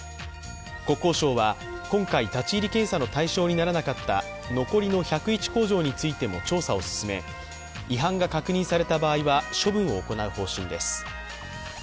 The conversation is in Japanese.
国交省は今回、立ち入り検査の対象にならなかった残りの１０１工場についても調査を進め違反が確認された場合は処分を行う方針です。